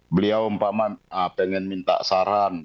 beliau umpama pengen minta saran